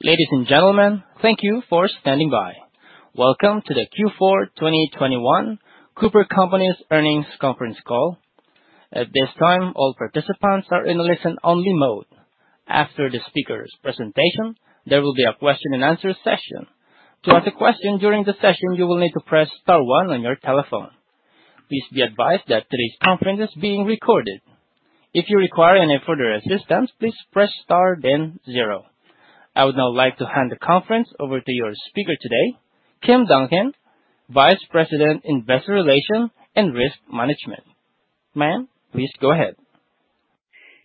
Ladies and gentlemen, thank you for standing by. Welcome to the Q4 2021 The Cooper Companies Earnings Conference Call. At this time, all participants are in a listen-only mode. After the speaker's presentation, there will be a question and answer session. To ask a question during the session, you will need to press star one on your telephone. Please be advised that today's conference is being recorded. If you require any further assistance, please press star then zero. I would now like to hand the conference over to your speaker today, Kim Duncan, Vice President, Investor Relations and Risk Management. Ma'am, please go ahead.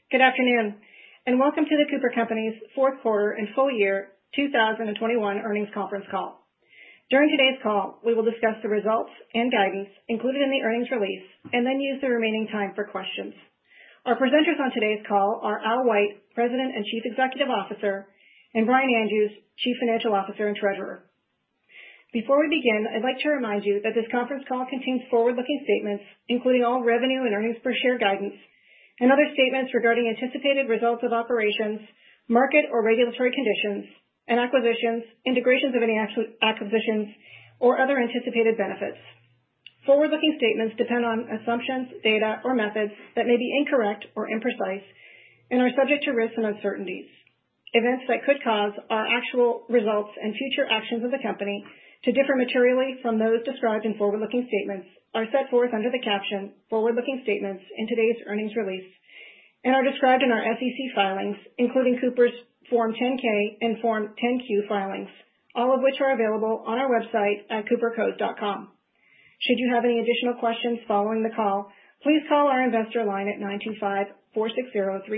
Good afternoon and welcome to The Cooper Companies fourth quarter and full year 2021 earnings conference call. During today's call, we will discuss the results and guidance included in the earnings release and then use the remaining time for questions. Our presenters on today's call are Al White, President and Chief Executive Officer, and Brian Andrews, Chief Financial Officer and Treasurer. Before we begin, I'd like to remind you that this conference call contains forward-looking statements, including all revenue and earnings per share guidance and other statements regarding anticipated results of operations, market or regulatory conditions and acquisitions, integrations of any acquisitions or other anticipated benefits. Forward-looking statements depend on assumptions, data or methods that may be incorrect or imprecise and are subject to risks and uncertainties. Events that could cause our actual results and future actions of the company to differ materially from those described in forward-looking statements are set forth under the caption Forward-Looking Statements in today's earnings release, and are described in our SEC filings, including Cooper's Form 10-K and Form 10-Q filings, all of which are available on our website at coopercos.com. Should you have any additional questions following the call, please call our investor line at 925-460-3663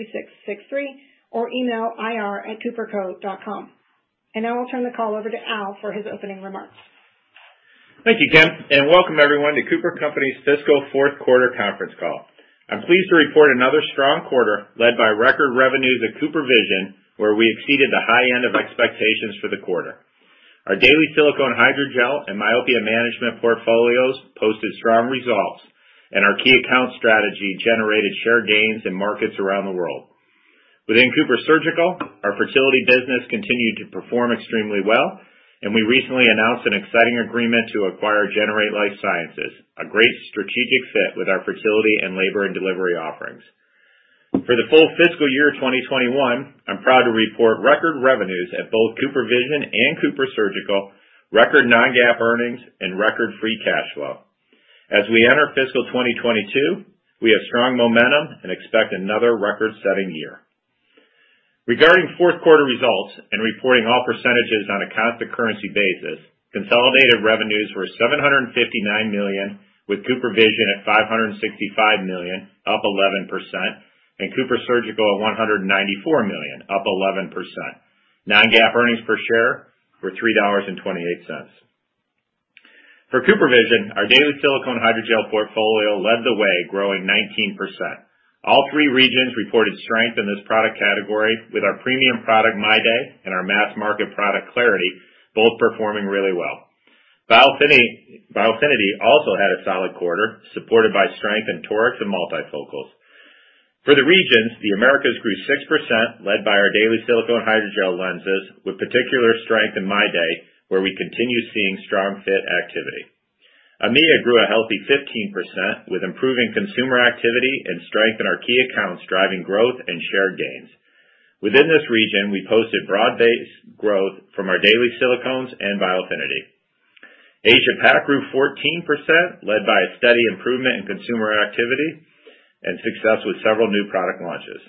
or email ir@coopercos.com. I now will turn the call over to Al for his opening remarks. Thank you, Kim, and welcome everyone to The Cooper Companies' fiscal fourth quarter conference call. I'm pleased to report another strong quarter led by record revenues at CooperVision, where we exceeded the high end of expectations for the quarter. Our daily silicone hydrogel and myopia management portfolios posted strong results, and our key account strategy generated share gains in markets around the world. Within CooperSurgical, our fertility business continued to perform extremely well, and we recently announced an exciting agreement to acquire Generate Life Sciences, a great strategic fit with our fertility and labor and delivery offerings. For the full fiscal year 2021, I'm proud to report record revenues at both CooperVision and CooperSurgical, record non-GAAP earnings and record free cash flow. As we enter fiscal 2022, we have strong momentum and expect another record-setting year. Regarding fourth quarter results and reporting all percentages on a constant currency basis, consolidated revenues were $759 million, with CooperVision at $565 million, up 11%, and CooperSurgical at $194 million up 11%. Non-GAAP earnings per share were $3.28. For CooperVision, our daily silicone hydrogel portfolio led the way, growing 19%. All three regions reported strength in this product category with our premium product MyDay and our mass market product clariti both performing really well. Biofinity also had a solid quarter, supported by strength in toric and multifocals. For the regions, the Americas grew 6%, led by our daily silicone hydrogel lenses with particular strength in MyDay, where we continue seeing strong fit activity. EMEA grew a healthy 15%, with improving consumer activity and strength in our key accounts driving growth and share gains. Within this region, we posted broad-based growth from our daily silicones and Biofinity. Asia Pac grew 14%, led by a steady improvement in consumer activity and success with several new product launches.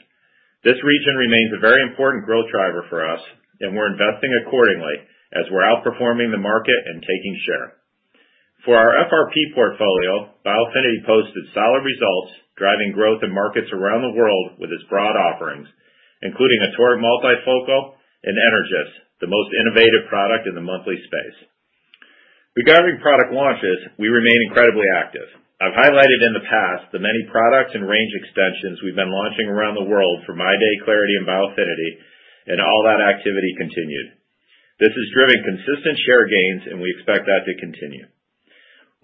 This region remains a very important growth driver for us, and we're investing accordingly as we're outperforming the market and taking share. For our FRP portfolio, Biofinity posted solid results, driving growth in markets around the world with its broad offerings, including a toric multifocal and Energys, the most innovative product in the monthly space. Regarding product launches, we remain incredibly active. I've highlighted in the past the many products and range extensions we've been launching around the world for MyDay clariti and Biofinity and all that activity continued. This has driven consistent share gains and we expect that to continue.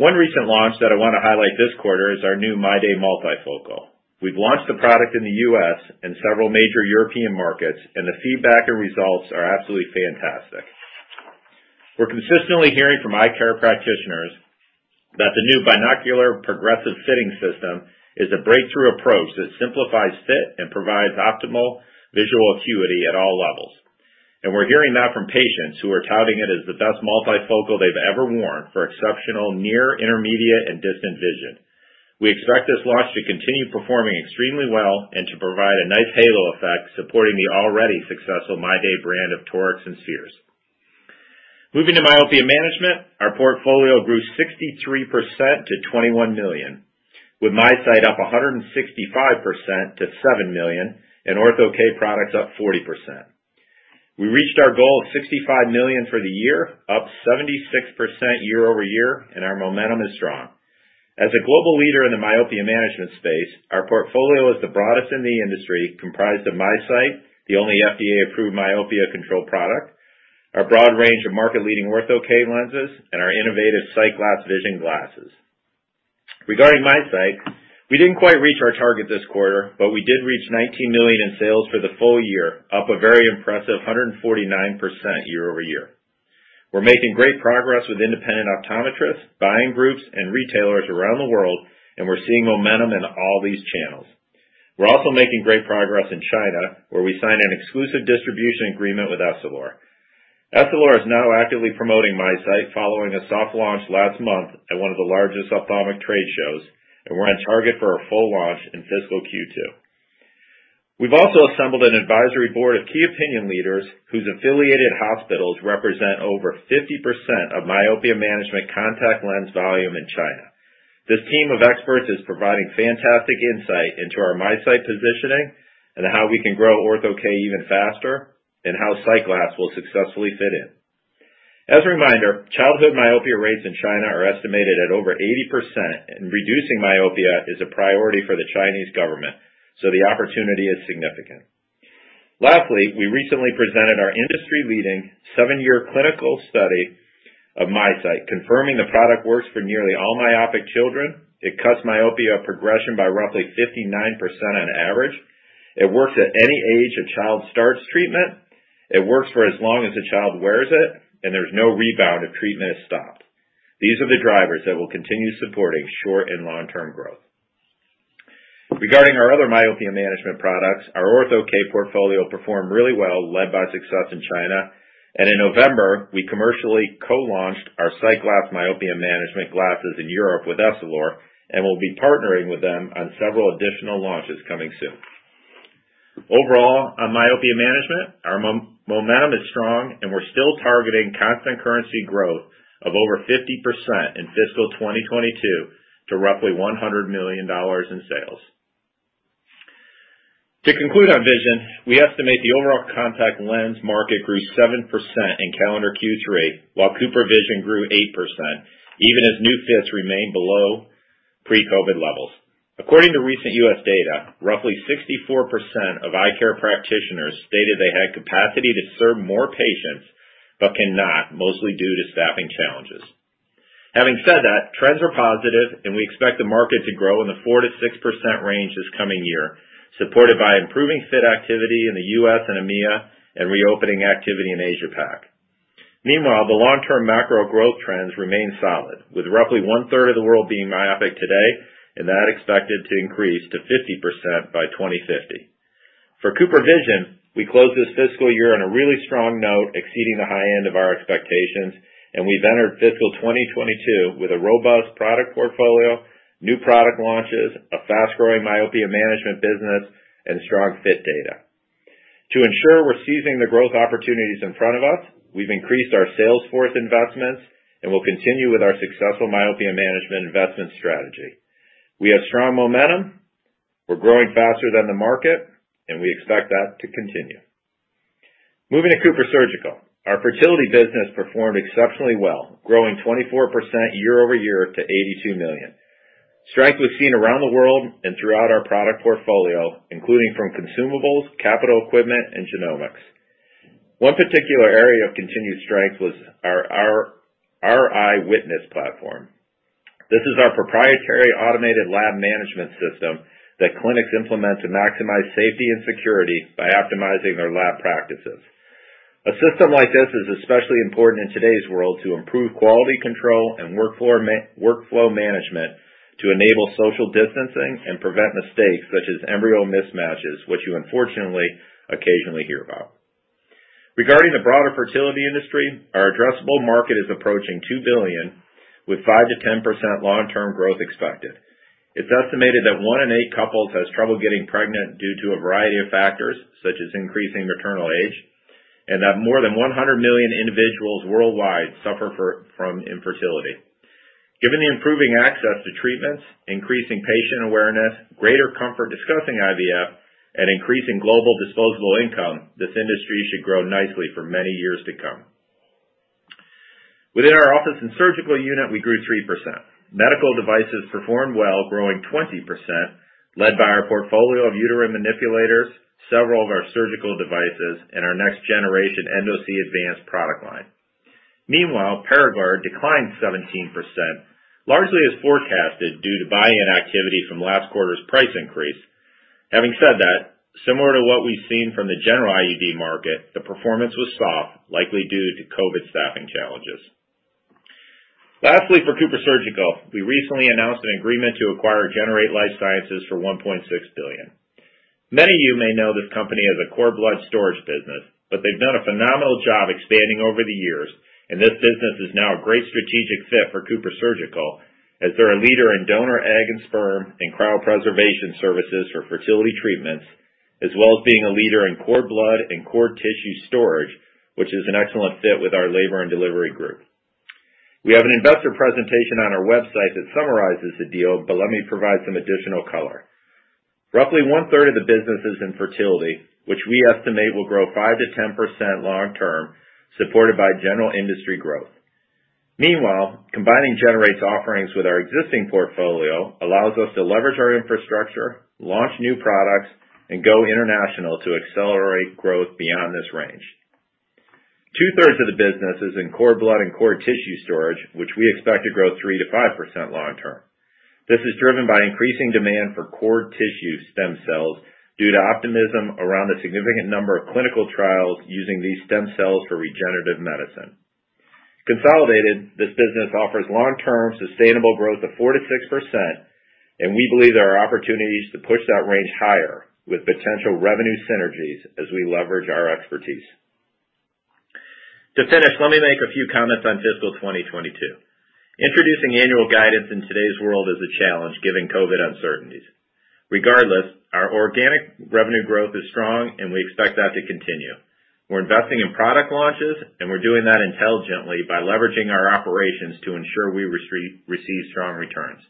One recent launch that I want to highlight this quarter is our new MyDay multifocal. We've launched the product in the U.S. and several major European markets, and the feedback and results are absolutely fantastic. We're consistently hearing from eye care practitioners that the new Binocular Progressive System is a breakthrough approach that simplifies fit and provides optimal visual acuity at all levels. We're hearing that from patients who are touting it as the best multifocal they've ever worn for exceptional near, intermediate and distant vision. We expect this launch to continue performing extremely well and to provide a nice halo effect, supporting the already successful MyDay brand of torics and spheres. Moving to myopia management. Our portfolio grew 63% to $21 million, with MiSight up 165% to $7 million and Ortho-K products up 40%. We reached our goal of $65 million for the year, up 76% year-over-year, and our momentum is strong. As a global leader in the myopia management space, our portfolio is the broadest in the industry, comprised of MiSight, the only FDA-approved myopia control product, our broad range of market-leading Ortho-K lenses, and our innovative SightGlass Vision glasses. Regarding MiSight, we didn't quite reach our target this quarter, but we did reach $19 million in sales for the full year, up a very impressive 149% year-over-year. We're making great progress with independent optometrists, buying groups, and retailers around the world, and we're seeing momentum in all these channels. We're also making great progress in China, where we signed an exclusive distribution agreement with Essilor. Essilor is now actively promoting MiSight following a soft launch last month at one of the largest ophthalmic trade shows, and we're on target for a full launch in fiscal Q2. We've also assembled an advisory board of key opinion leaders whose affiliated hospitals represent over 50% of myopia management contact lens volume in China. This team of experts is providing fantastic insight into our MiSight positioning and how we can grow Ortho-K even faster and how SightGlass will successfully fit in. As a reminder, childhood myopia rates in China are estimated at over 80%, and reducing myopia is a priority for the Chinese government, so the opportunity is significant. Lastly, we recently presented our industry-leading 7-year clinical study of MiSight, confirming the product works for nearly all myopic children. It cuts myopia progression by roughly 59% on average. It works at any age a child starts treatment. It works for as long as the child wears it, and there's no rebound if treatment is stopped. These are the drivers that will continue supporting short and long-term growth. Regarding our other myopia management products, our Ortho-K portfolio performed really well, led by success in China. In November, we commercially co-launched our SightGlass myopia management glasses in Europe with Essilor, and we'll be partnering with them on several additional launches coming soon. Overall, on myopia management, our momentum is strong and we're still targeting constant currency growth of over 50% in fiscal 2022 to roughly $100 million in sales. To conclude on vision, we estimate the overall contact lens market grew 7% in calendar Q3, while CooperVision grew 8% even as new fits remain below pre-COVID levels. According to recent U.S. data, roughly 64% of eye care practitioners stated they had capacity to serve more patients but cannot, mostly due to staffing challenges. Having said that, trends are positive and we expect the market to grow in the 4%-6% range this coming year, supported by improving fit activity in the U.S. and EMEA and reopening activity in Asia Pac. Meanwhile, the long-term macro growth trends remain solid, with roughly one-third of the world being myopic today and that expected to increase to 50% by 2050. For CooperVision, we closed this fiscal year on a really strong note, exceeding the high end of our expectations, and we've entered fiscal 2022 with a robust product portfolio, new product launches, a fast-growing myopia management business, and strong fit data. To ensure we're seizing the growth opportunities in front of us, we've increased our sales force investments and will continue with our successful myopia management investment strategy. We have strong momentum. We're growing faster than the market, and we expect that to continue. Moving to CooperSurgical. Our fertility business performed exceptionally well, growing 24% year-over-year to $82 million. Strength was seen around the world and throughout our product portfolio, including from consumables, capital equipment, and genomics. One particular area of continued strength was our RI Witness platform. This is our proprietary automated lab management system that clinics implement to maximize safety and security by optimizing their lab practices. A system like this is especially important in today's world to improve quality control and workflow management to enable social distancing and prevent mistakes such as embryo mismatches, which you unfortunately occasionally hear about. Regarding the broader fertility industry, our addressable market is approaching $2 billion, with 5%-10% long-term growth expected. It's estimated that one in eight couples has trouble getting pregnant due to a variety of factors, such as increasing maternal age, and that more than 100 million individuals worldwide suffer from infertility. Given the improving access to treatments, increasing patient awareness, greater comfort discussing IVF, and increasing global disposable income, this industry should grow nicely for many years to come. Within our office and surgical unit, we grew 3%. Medical devices performed well, growing 20% led by our portfolio of uterine manipulators, several of our surgical devices, and our next generation Endosee Advance product line. Meanwhile, Paragard declined 17%, largely as forecasted due to buy-in activity from last quarter's price increase. Having said that, similar to what we've seen from the general IUD market, the performance was soft, likely due to COVID staffing challenges. Lastly, for CooperSurgical, we recently announced an agreement to acquire Generate Life Sciences for $1.6 billion. Many of you may know this company as a cord blood storage business, but they've done a phenomenal job expanding over the years, and this business is now a great strategic fit for CooperSurgical as they're a leader in donor egg and sperm and cryopreservation services for fertility treatments, as well as being a leader in cord blood and cord tissue storage, which is an excellent fit with our labor and delivery group. We have an investor presentation on our website that summarizes the deal, but let me provide some additional color. Roughly one-third of the business is in fertility, which we estimate will grow 5%-10% long term, supported by general industry growth. Meanwhile, combining Generate's offerings with our existing portfolio allows us to leverage our infrastructure, launch new products, and go international to accelerate growth beyond this range. Two-thirds of the business is in cord blood and cord tissue storage, which we expect to grow 3%-5% long-term. This is driven by increasing demand for cord tissue stem cells due to optimism around the significant number of clinical trials using these stem cells for regenerative medicine. Consolidated, this business offers long-term sustainable growth of 4%-6%, and we believe there are opportunities to push that range higher with potential revenue synergies as we leverage our expertise. To finish, let me make a few comments on fiscal 2022. Introducing annual guidance in today's world is a challenge, given COVID uncertainties. Regardless, our organic revenue growth is strong, and we expect that to continue. We're investing in product launches, and we're doing that intelligently by leveraging our operations to ensure we receive strong returns.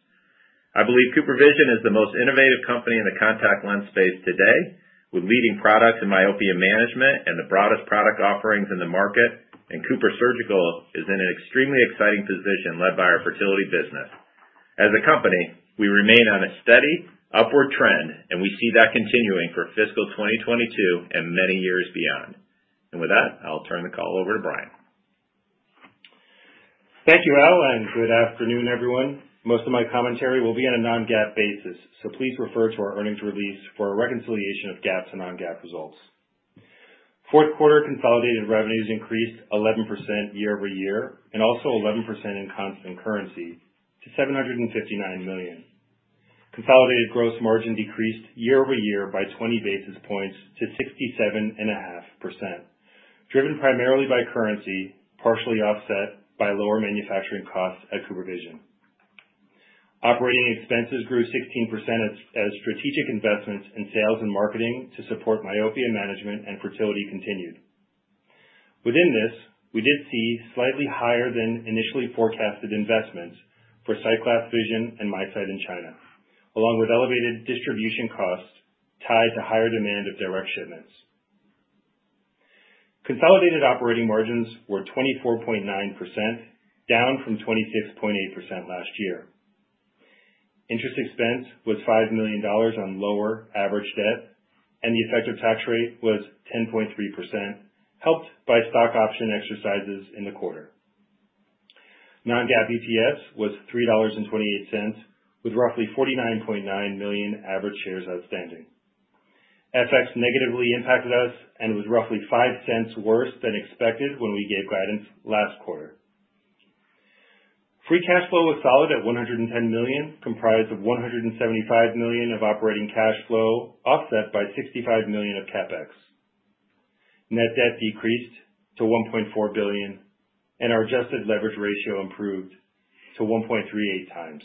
I believe CooperVision is the most innovative company in the contact lens space today, with leading products in myopia management and the broadest product offerings in the market, and CooperSurgical is in an extremely exciting position led by our fertility business. As a company, we remain on a steady upward trend, and we see that continuing for fiscal 2022 and many years beyond. With that, I'll turn the call over to Brian. Thank you, Al, and good afternoon, everyone. Most of my commentary will be on a non-GAAP basis, so please refer to our earnings release for a reconciliation of GAAP to non-GAAP results. Fourth quarter consolidated revenues increased 11% year-over-year and also 11% in constant currency to $759 million. Consolidated gross margin decreased year-over-year by 20 basis points to 67.5%, driven primarily by currency, partially offset by lower manufacturing costs at CooperVision. Operating expenses grew 16% as strategic investments in sales and marketing to support myopia management and fertility continued. Within this, we did see slightly higher than initially forecasted investments for SightGlass Vision and MiSight in China, along with elevated distribution costs tied to higher demand of direct shipments. Consolidated operating margins were 24.9%, down from 26.8% last year. Interest expense was $5 million on lower average debt, and the effective tax rate was 10.3%, helped by stock option exercises in the quarter. Non-GAAP EPS was $3.28, with roughly 49.9 million average shares outstanding. FX negatively impacted us and was roughly 5 cents worse than expected when we gave guidance last quarter. Free cash flow was solid at $110 million, comprised of $175 million of operating cash flow, offset by $65 million of CapEx. Net debt decreased to $1.4 billion, and our adjusted leverage ratio improved to 1.38 times.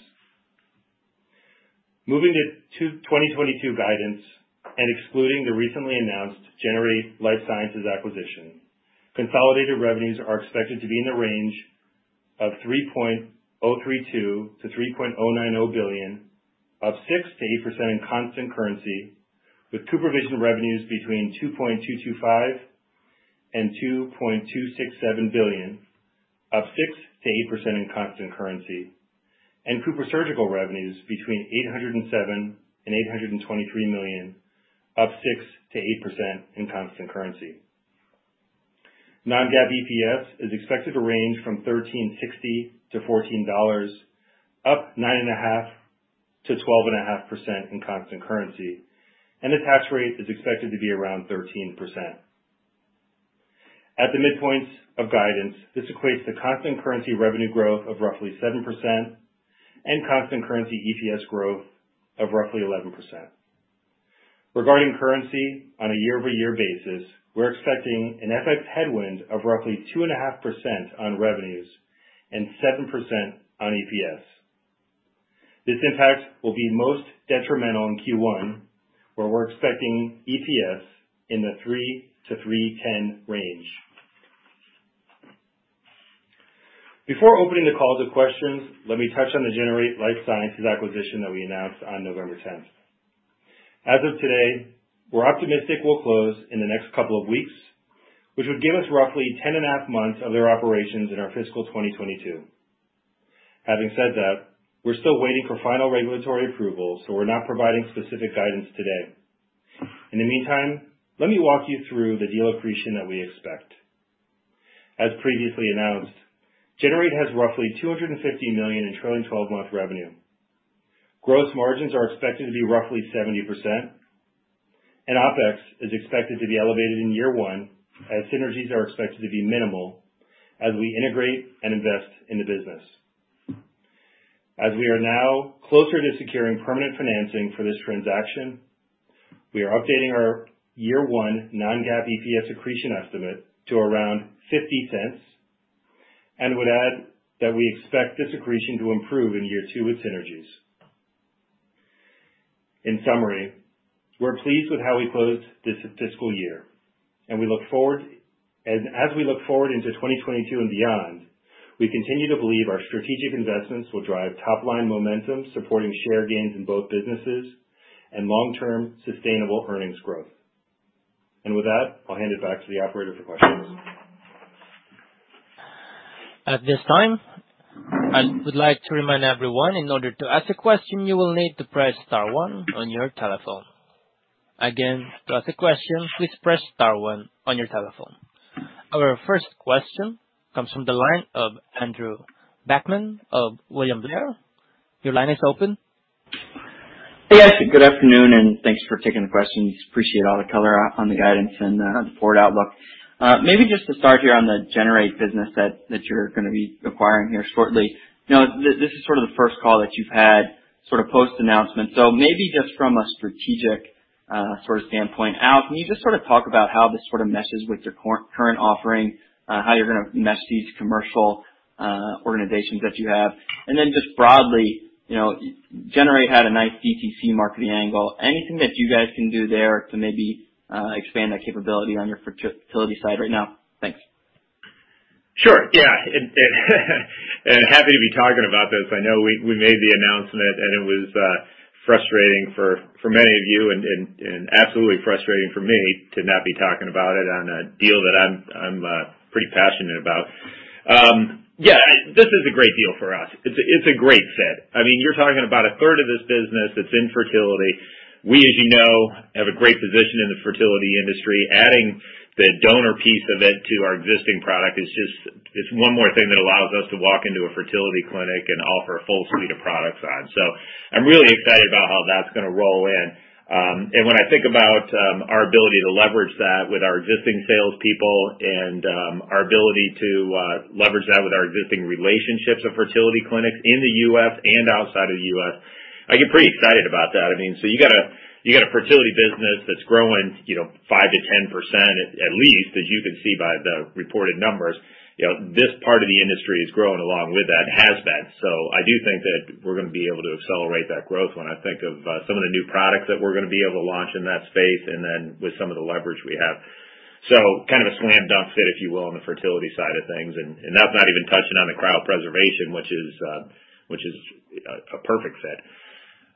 Moving to 2022 guidance and excluding the recently announced Generate Life Sciences acquisition, consolidated revenues are expected to be in the range of $3.032 billion-$3.090 billion, up 6%-8% in constant currency, with CooperVision revenues between $2.225 billion and $2.267 billion, up 6%-8% in constant currency, and CooperSurgical revenues between $807 million and $823 million, up 6%-8% in constant currency. Non-GAAP EPS is expected to range from $13.60 to $14, up 9.5%-12.5% in constant currency, and the tax rate is expected to be around 13%. At the midpoints of guidance, this equates to constant currency revenue growth of roughly 7% and constant currency EPS growth of roughly 11%. Regarding currency on a year-over-year basis, we're expecting an FX headwind of roughly 2.5% on revenues and 7% on EPS. This impact will be most detrimental in Q1, where we're expecting EPS in the 3-3.10 range. Before opening the call to questions, let me touch on the Generate Life Sciences acquisition that we announced on November 10. As of today, we're optimistic we'll close in the next couple of weeks, which would give us roughly 10.5 months of their operations in our fiscal 2022. Having said that, we're still waiting for final regulatory approval, so we're not providing specific guidance today. In the meantime, let me walk you through the deal accretion that we expect. As previously announced, Generate has roughly $250 million in trailing twelve-month revenue. Gross margins are expected to be roughly 70% and OpEx is expected to be elevated in year one, as synergies are expected to be minimal as we integrate and invest in the business. As we are now closer to securing permanent financing for this transaction, we are updating our year one non-GAAP EPS accretion estimate to around $0.50 and would add that we expect this accretion to improve in year two with synergies. In summary, we're pleased with how we closed this fiscal year, and as we look forward into 2022 and beyond, we continue to believe our strategic investments will drive top-line momentum, supporting share gains in both businesses and long-term sustainable earnings growth. With that, I'll hand it back to the operator for questions. At this time, I would like to remind everyone in order to ask a question, you will need to press star one on your telephone. Again, to ask a question, please press star one on your telephone. Our first question comes from the line of Andrew Brackmann of William Blair. Your line is open. Hey, guys. Good afternoon, and thanks for taking the questions. Appreciate all the color on the guidance and on the forward outlook. Maybe just to start here on the Generate business that you're gonna be acquiring here shortly. Now, this is sort of the first call that you've had sort of post-announcement. Maybe just from a strategic sort of standpoint, Al, can you just sort of talk about how this sort of meshes with your current offering, how you're gonna mesh these commercial organizations that you have? And then just broadly, you know, Generate had a nice DTC marketing angle. Anything that you guys can do there to maybe expand that capability on your fertility side right now? Thanks. Sure. Yeah. Happy to be talking about this. I know we made the announcement, and it was frustrating for many of you and absolutely frustrating for me to not be talking about it on a deal that I'm pretty passionate about. Yeah, this is a great deal for us. It's a great fit. I mean, you're talking about a third of this business that's infertility. We, as you know, have a great position in the fertility industry. Adding the donor piece of it to our existing product is just one more thing that allows us to walk into a fertility clinic and offer a full suite of products on. I'm really excited about how that's gonna roll in. When I think about our ability to leverage that with our existing salespeople and our ability to leverage that with our existing relationships of fertility clinics in the U.S. and outside of the U.S., I get pretty excited about that. I mean, you got a fertility business that's growing, you know, 5%-10% at least, as you can see by the reported numbers. You know, this part of the industry is growing along with that and has been. I do think that we're gonna be able to accelerate that growth when I think of some of the new products that we're gonna be able to launch in that space and then with some of the leverage we have. Kind of a slam dunk fit, if you will, on the fertility side of things, and that's not even touching on the cryopreservation, which is a perfect fit.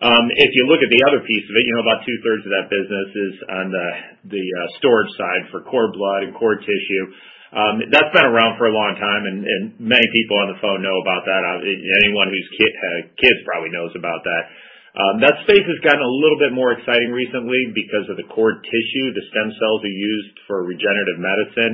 If you look at the other piece of it, you know, about two-thirds of that business is on the storage side for cord blood and cord tissue. That's been around for a long time, and many people on the phone know about that. Obviously, anyone whose kids probably knows about that. That space has gotten a little bit more exciting recently because of the cord tissue, the stem cells are used for regenerative medicine.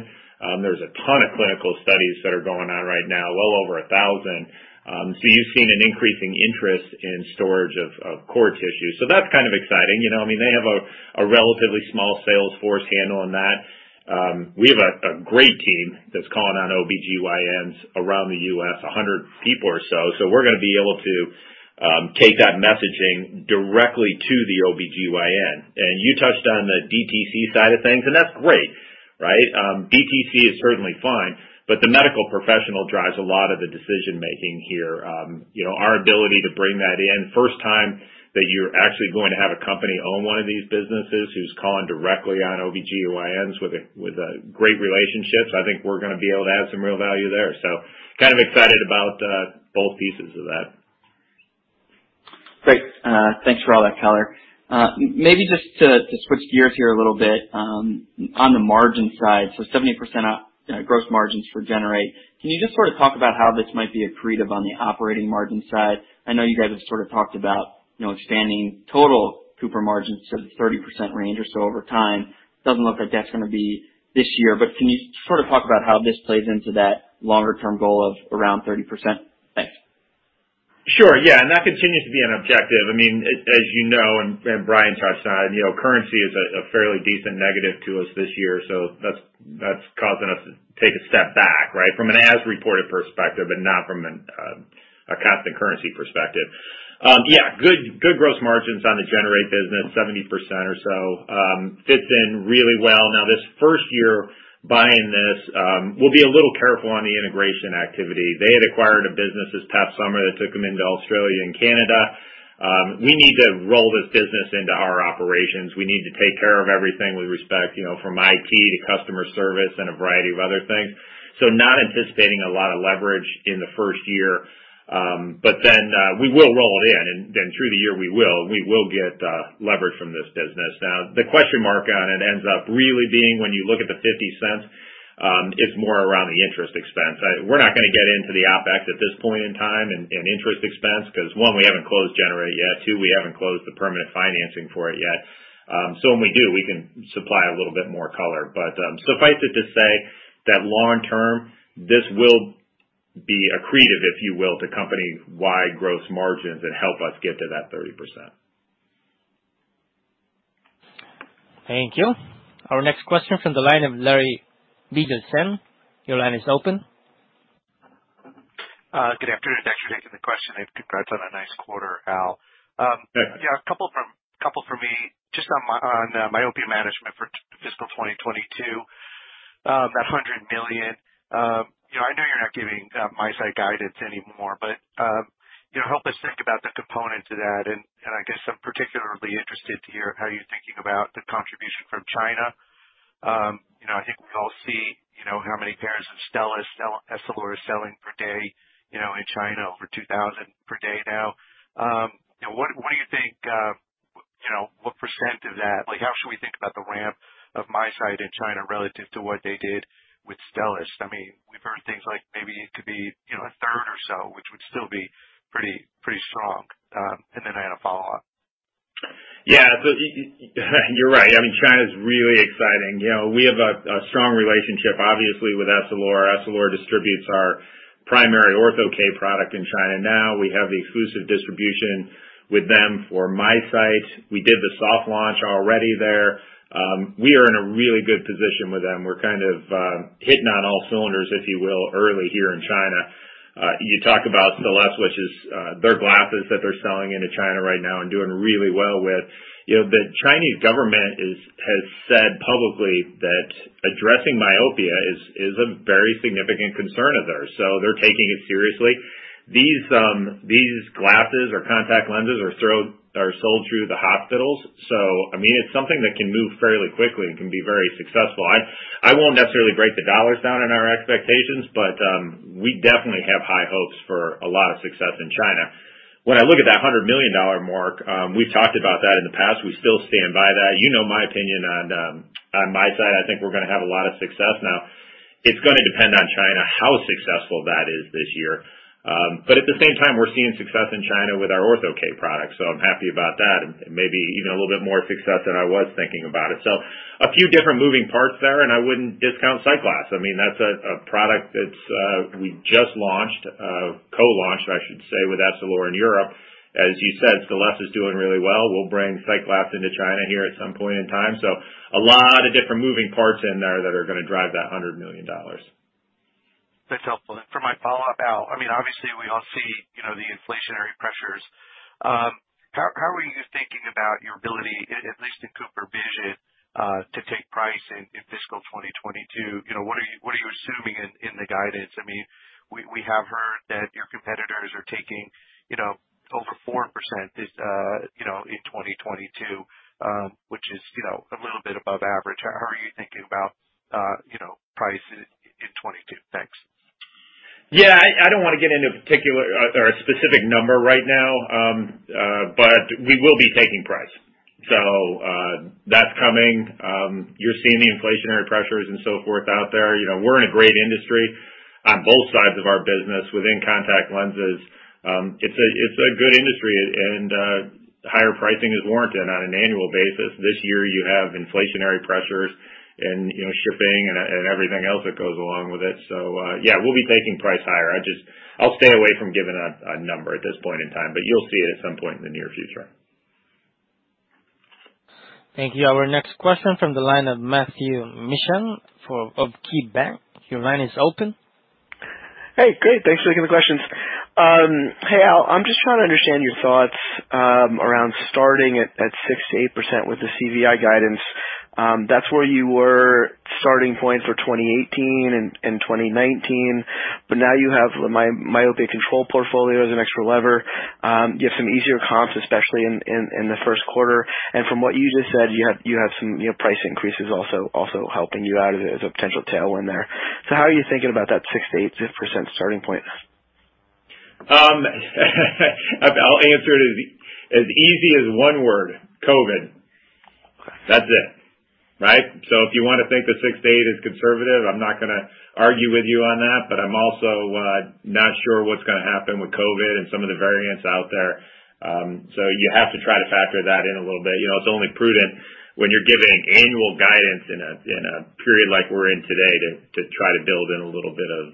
There's a ton of clinical studies that are going on right now, well over 1,000. You've seen an increasing interest in storage of cord tissue. That's kind of exciting. You know, I mean, they have a relatively small sales force handle on that. We have a great team that's calling on OB/GYNs around the U.S., 100 people or so. We're gonna be able to take that messaging directly to the OB/GYN. You touched on the DTC side of things, and that's great, right? DTC is certainly fine, but the medical professional drives a lot of the decision-making here. You know, our ability to bring that in, first time that you're actually going to have a company own one of these businesses who's calling directly on OB/GYNs with great relationships. I think we're gonna be able to add some real value there. Kind of excited about both pieces of that. Great. Thanks for all that color. Maybe just to switch gears here a little bit, on the margin side, so 70%, you know, gross margins for Generate. Can you just sort of talk about how this might be accretive on the operating margin side? I know you guys have sort of talked about, you know, expanding total Cooper margins to the 30% range or so over time. Doesn't look like that's gonna be this year, but can you sort of talk about how this plays into that longer term goal of around 30%? Thanks. Sure. Yeah. That continues to be an objective. I mean, as you know, and Brian touched on, you know, currency is a fairly decent negative to us this year, so that's causing us to take a step back, right? From an as reported perspective and not from a constant currency perspective. Yeah, good gross margins on the Generate business, 70% or so, fits in really well. Now, this first year buying this, we'll be a little careful on the integration activity. They had acquired a business this past summer that took them into Australia and Canada. We need to roll this business into our operations. We need to take care of everything we expect, you know, from IT to customer service and a variety of other things. Not anticipating a lot of leverage in the first year, but then we will roll it in. Then through the year, we will get leverage from this business. Now, the question mark on it ends up really being, when you look at the $0.50, it's more around the interest expense. We're not gonna get into the OpEx at this point in time and interest expense because, 1, we haven't closed Generate yet. 2, we haven't closed the permanent financing for it yet. When we do, we can supply a little bit more color. Suffice it to say that long term, this will be accretive, if you will, to company-wide gross margins and help us get to that 30%. Thank you. Our next question from the line of Larry Biegelsen. Your line is open. Good afternoon. Thanks for taking the question, and congrats on a nice quarter, Al. Yeah. Yeah, a couple from me. Just on myopia management for fiscal 2022, that $100 million. You know, I know you're not giving MiSight guidance anymore, but you know, help us think about the component to that. I guess I'm particularly interested to hear how you're thinking about the contribution from China. You know, I think we all see you know, how many pairs of Stellest Essilor is selling per day in China over 2,000 per day now. What do you think you know, what % of that. Like, how should we think about the ramp of MiSight in China relative to what they did with Stellest? I mean, we've heard things like maybe it could be you know, a third or so, which would still be pretty strong. I had a follow-up. Yeah. You're right. I mean, China's really exciting. You know, we have a strong relationship obviously with Essilor. Essilor distributes our primary Ortho-K product in China now. We have the exclusive distribution with them for MiSight. We did the soft launch already there. We are in a really good position with them. We're kind of hitting on all cylinders, if you will, early here in China. You talk about Stellest, which is their glasses that they're selling into China right now and doing really well with. You know, the Chinese government has said publicly that addressing myopia is a very significant concern of theirs, so they're taking it seriously. These glasses or contact lenses are sold through the hospitals. I mean, it's something that can move fairly quickly and can be very successful. I won't necessarily break the dollars down in our expectations, but we definitely have high hopes for a lot of success in China. When I look at that $100 million mark, we've talked about that in the past, we still stand by that. You know my opinion on MiSight. I think we're gonna have a lot of success now. It's gonna depend on China, how successful that is this year. At the same time, we're seeing success in China with our Ortho-K product, so I'm happy about that, and maybe even a little bit more success than I was thinking about it. A few different moving parts there, and I wouldn't discount SightGlass Vision. I mean, that's a product that we just launched, co-launched, I should say, with Essilor in Europe. As you said, Stellest is doing really well. We'll bring SightGlass into China here at some point in time. A lot of different moving parts in there that are gonna drive that $100 million. That's helpful. For my follow-up, Al, I mean, obviously we all see, you know, the inflationary pressures. How are you thinking about your ability, at least in CooperVision, to take price in fiscal 2022? You know, what are you assuming in the guidance? I mean, we have heard that your competitors are taking, you know, over 4% in 2022, which is, you know, a little bit above average. How are you thinking about, you know, price in 2022? Thanks. Yeah. I don't wanna get into particular or a specific number right now. We will be taking price. That's coming. You're seeing the inflationary pressures and so forth out there. You know, we're in a great industry on both sides of our business within contact lenses. It's a good industry and higher pricing is warranted on an annual basis. This year you have inflationary pressures and, you know, shipping and everything else that goes along with it. Yeah, we'll be taking price higher. I'll stay away from giving a number at this point in time, but you'll see it at some point in the near future. Thank you. Our next question from the line of Matthew Mishan of KeyBanc Capital Markets. Your line is open. Hey, great. Thanks for taking the questions. Hey, Al, I'm just trying to understand your thoughts around starting at 6%-8% with the CVI guidance. That's where you were starting points for 2018 and 2019, but now you have the myopia control portfolio as an extra lever. You have some easier comps, especially in the first quarter. From what you just said, you have some, you know, price increases also helping you out as a potential tailwind there. How are you thinking about that 6%-8% starting point? I'll answer it as easy as one word, COVID. That's it, right? If you wanna think that 6-8 is conservative, I'm not gonna argue with you on that, but I'm also not sure what's gonna happen with COVID and some of the variants out there. You have to try to factor that in a little bit. You know, it's only prudent when you're giving annual guidance in a period like we're in today, to try to build in a little bit of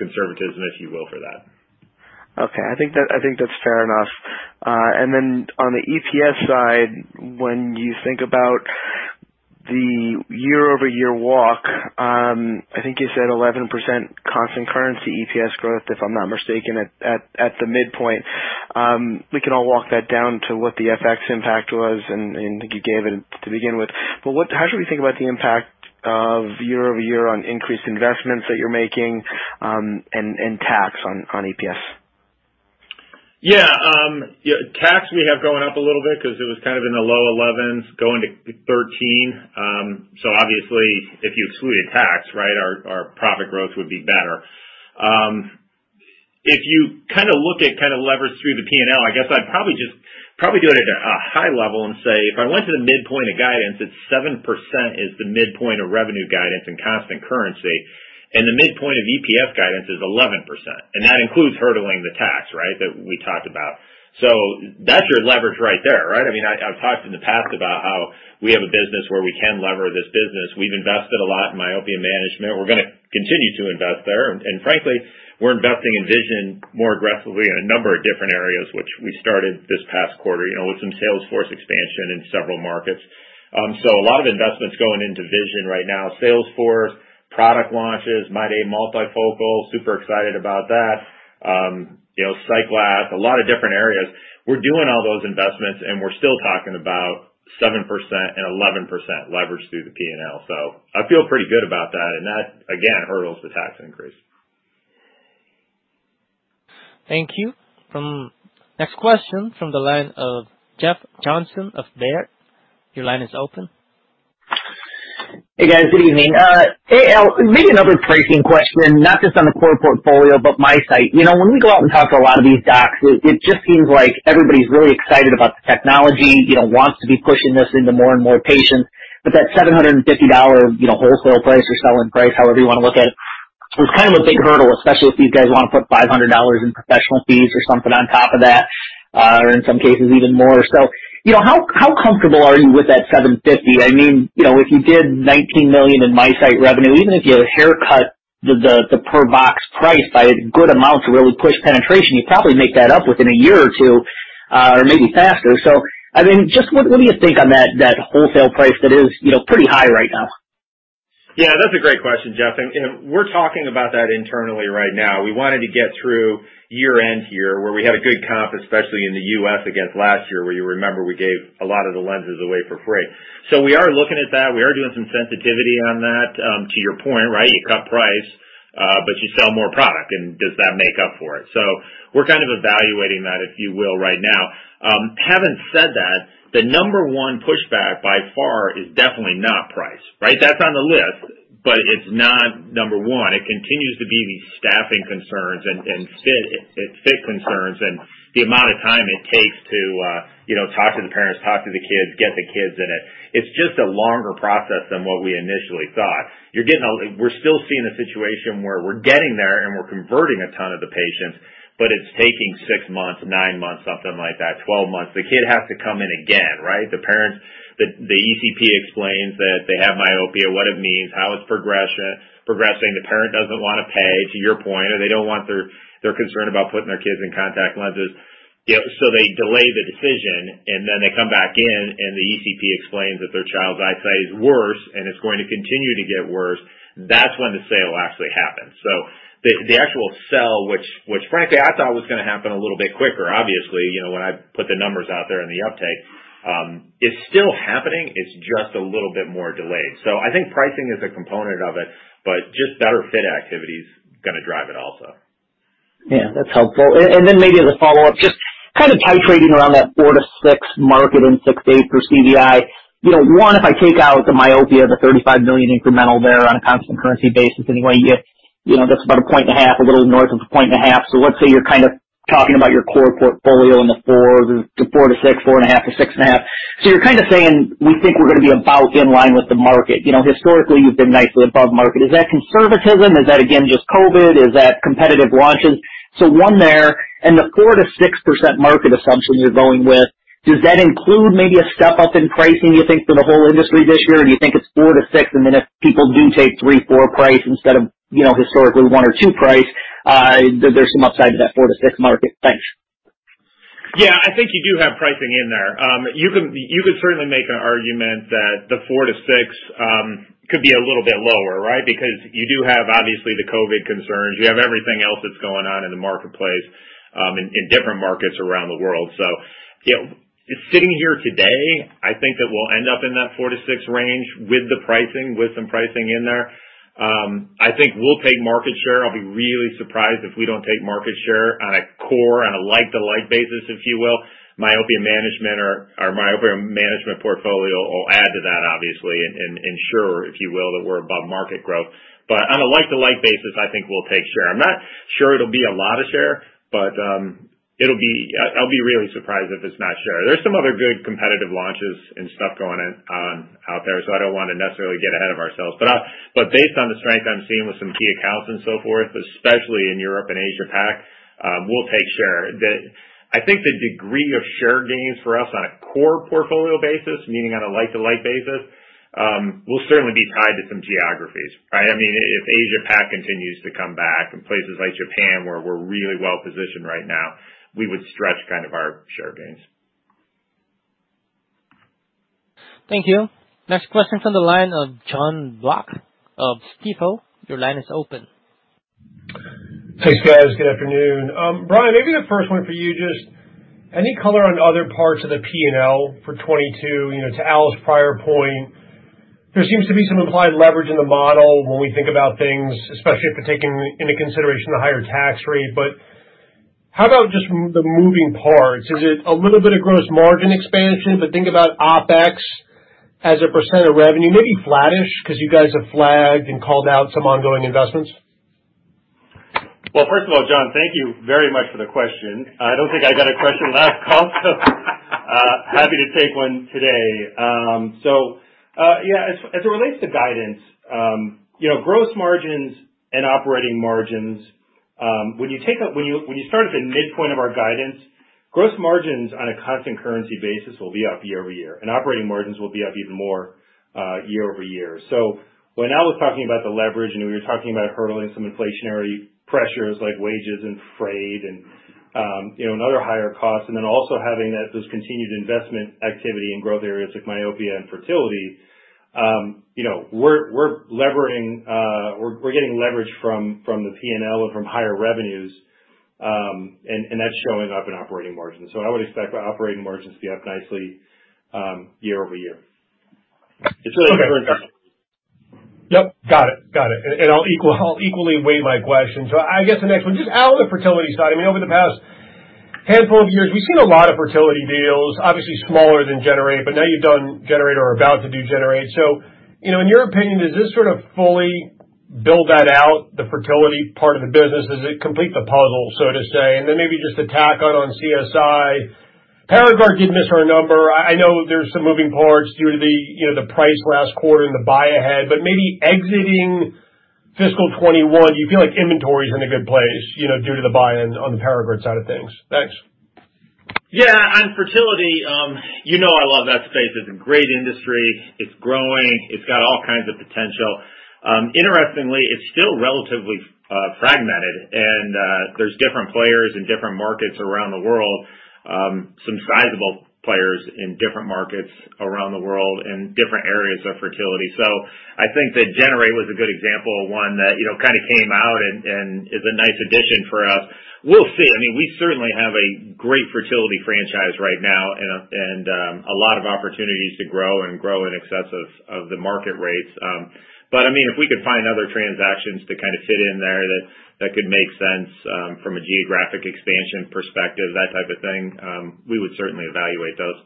conservatism, if you will, for that. Okay. I think that's fair enough. Then on the EPS side, when you think about the year-over-year walk, I think you said 11% constant currency EPS growth, if I'm not mistaken, at the midpoint. We can all walk that down to what the FX impact was and I think you gave it to begin with. How should we think about the impact of year-over-year on increased investments that you're making, and tax on EPS? The tax we have going up a little bit 'cause it was kind of in the low 11s going to 13%. So obviously if you excluded tax, right, our profit growth would be better. If you kinda look at kinda leverage through the P&L, I guess I'd just do it at a high level and say, if I went to the midpoint of guidance, it's 7% is the midpoint of revenue guidance and constant currency, and the midpoint of EPS guidance is 11%, and that includes hurdling the tax, right, that we talked about. That's your leverage right there, right? I mean, I've talked in the past about how we have a business where we can lever this business. We've invested a lot in myopia management. We're gonna continue to invest there. Frankly, we're investing in vision more aggressively in a number of different areas, which we started this past quarter, you know, with some sales force expansion in several markets. A lot of investments going into vision right now. Sales force, product launches, MyDay multifocal, super excited about that. You know, SightGlass, a lot of different areas. We're doing all those investments and we're still talking about 7% and 11% leverage through the P&L. I feel pretty good about that. That, again, hurdles the tax increase. Thank you. Next question from the line of Jeff Johnson of Baird. Your line is open. Hey guys, good evening. Hey Al, maybe another pricing question, not just on the core portfolio, but MiSight. You know, when we go out and talk to a lot of these docs, it just seems like everybody's really excited about the technology, you know, wants to be pushing this into more and more patients. But that $750, you know, wholesale price or selling price, however you wanna look at it, is kind of a big hurdle, especially if these guys wanna put $500 in professional fees or something on top of that, or in some cases even more. You know, how comfortable are you with that $750? I mean, you know, if you did $19 million in MiSight revenue, even if you haircut the per box price by a good amount to really push penetration, you'd probably make that up within a year or two, or maybe faster. I mean, just what do you think on that wholesale price that is, you know, pretty high right now? Yeah, that's a great question, Jeff. You know, we're talking about that internally right now. We wanted to get through year-end here, where we had a good comp, especially in the U.S. against last year, where you remember we gave a lot of the lenses away for free. We are looking at that. We are doing some sensitivity on that, to your point, right? You cut price, but you sell more product, and does that make up for it? We're kind of evaluating that, if you will, right now. Having said that, the number one pushback by far is definitely not price, right? That's on the list, but it's not number one. It continues to be these staffing concerns and fit concerns and the amount of time it takes to, you know, talk to the parents, talk to the kids, get the kids in it. It's just a longer process than what we initially thought. We're still seeing a situation where we're getting there, and we're converting a ton of the patients, but it's taking 6 months, 9 months, something like that, 12 months. The kid has to come in again, right? The ECP explains that they have myopia, what it means, how it's progressing. The parent doesn't wanna pay, to your point, or they're concerned about putting their kids in contact lenses. They delay the decision, and then they come back in, and the ECP explains that their child's eyesight is worse, and it's going to continue to get worse. That's when the sale actually happens. The actual sale, which frankly, I thought was gonna happen a little bit quicker, obviously, you know, when I put the numbers out there and the uptake is still happening, it's just a little bit more delayed. I think pricing is a component of it, but just better fit activity is gonna drive it also. Yeah. That's helpful. And then maybe as a follow-up, just kind of titrating around that 4%-6% market in 6%-8% for CVI. You know, one, if I take out the myopia, the $35 million incremental there on a constant currency basis anyway, you get, you know, that's about 1.5%, a little north of 1.5%. So let's say you're kind of talking about your core portfolio in the 4%-6%, 4.5%-6.5%. So you're kind of saying, "We think we're gonna be about in line with the market." You know, historically, you've been nicely above market. Is that conservatism? Is that again, just COVID? Is that competitive launches? One there, and the 4%-6% market assumption you're going with, does that include maybe a step up in pricing, you think, for the whole industry this year? Or do you think it's 4%-6%, and then if people do take 3%-4% price instead of, you know, historically 1%-2% price, there's some upside to that 4%-6% market? Thanks. Yeah. I think you do have pricing in there. You can certainly make an argument that the 4%-6% could be a little bit lower, right? Because you do have obviously the COVID concerns. You have everything else that's going on in the marketplace, in different markets around the world. You know, sitting here today, I think that we'll end up in that 4%-6% range with the pricing, with some pricing in there. I think we'll take market share. I'll be really surprised if we don't take market share on a core, on a like-to-like basis, if you will. Myopia management portfolio will add to that obviously and ensure, if you will, that we're above market growth. But on a like-to-like basis, I think we'll take share. I'm not sure it'll be a lot of share, but it'll be. I'll be really surprised if it's not share. There's some other good competitive launches and stuff going on out there, so I don't wanna necessarily get ahead of ourselves. But based on the strength I'm seeing with some key accounts and so forth, especially in Europe and Asia Pac, we'll take share. I think the degree of share gains for us on a core portfolio basis, meaning on a like-for-like basis, will certainly be tied to some geographies, right? I mean, if Asia Pac continues to come back and places like Japan, where we're really well-positioned right now, we would stretch kind of our share gains. Thank you. Next question from the line of Jon Block of Stifel. Your line is open. Thanks, guys. Good afternoon. Brian, maybe the first one for you, just any color on other parts of the P&L for 2022? You know, to Al's prior point, there seems to be some implied leverage in the model when we think about things, especially if you take into consideration the higher tax rate. How about just the moving parts? Is it a little bit of gross margin expansion, but think about OpEx as a percent of revenue, maybe flattish because you guys have flagged and called out some ongoing investments? Well, first of all, Jon, thank you very much for the question. I don't think I got a question last call, so happy to take one today. Yeah, as it relates to guidance, you know, gross margins and operating margins, when you start at the midpoint of our guidance, gross margins on a constant currency basis will be up year-over-year, and operating margins will be up even more year-over-year. When Al was talking about the leverage, and we were talking about hurdling some inflationary pressures like wages and freight and, you know, and other higher costs, and then also having that, those continued investment activity in growth areas like myopia and fertility, you know, we're getting leverage from the P&L and from higher revenues, and that's showing up in operating margins. I would expect our operating margins to be up nicely, year-over-year. It's really a current Got it. I'll equally weigh my question. I guess the next one, just Al, on the fertility side, I mean, over the past handful of years, we've seen a lot of fertility deals, obviously smaller than Generate, but now you've done Generate or are about to do Generate. You know, in your opinion, does this sort of fully build that out, the fertility part of the business? Does it complete the puzzle, so to say? Maybe just to tack on CSI, Paragard did miss the number. I know there's some moving parts due to the, you know, the price last quarter and the buy ahead, but maybe exiting fiscal 2021, do you feel like inventory is in a good place, you know, due to the buy-in on the Paragard side of things? Thanks. Yeah. On fertility, you know I love that space. It's a great industry. It's growing, it's got all kinds of potential. Interestingly, it's still relatively fragmented and there's different players in different markets around the world, some sizable players in different markets around the world in different areas of fertility. I think that Generate was a good example of one that, you know, kinda came out and is a nice addition for us. We'll see. I mean, we certainly have a great fertility franchise right now and a lot of opportunities to grow in excess of the market rates. I mean, if we could find other transactions to kind of fit in there that could make sense, from a geographic expansion perspective, that type of thing, we would certainly evaluate those.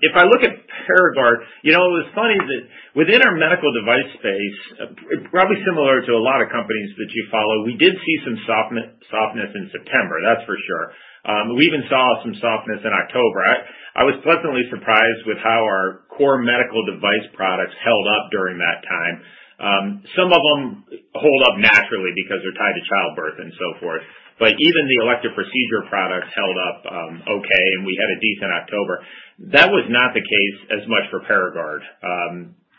If I look at Paragard, you know, what's funny is that within our medical device space, probably similar to a lot of companies that you follow, we did see some softness in September, that's for sure. We even saw some softness in October. I was pleasantly surprised with how our core medical device products held up during that time. Some of them hold up naturally because they're tied to childbirth and so forth, but even the elective procedure products held up, okay, and we had a decent October. That was not the case as much for Paragard.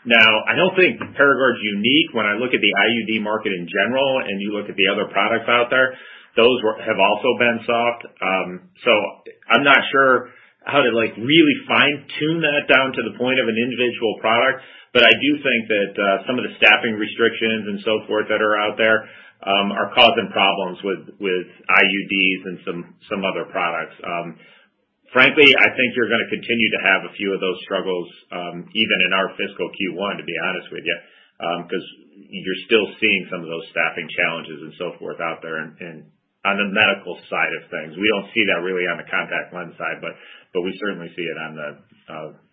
Now I don't think Paragard's unique. When I look at the IUD market in general and you look at the other products out there, those have also been soft. I'm not sure how to, like, really fine-tune that down to the point of an individual product. I do think that some of the staffing restrictions and so forth that are out there are causing problems with IUDs and some other products. Frankly, I think you're gonna continue to have a few of those struggles even in our fiscal Q1, to be honest with you, 'cause you're still seeing some of those staffing challenges and so forth out there and on the medical side of things. We don't see that really on the contact lens side, but we certainly see it on the